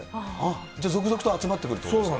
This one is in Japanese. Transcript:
じゃあ、続々と集まってくるっていうことですか。